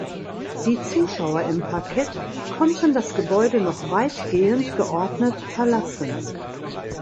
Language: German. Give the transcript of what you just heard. Die Zuschauer im Parkett konnten das Gebäude noch weitgehend geordnet verlassen.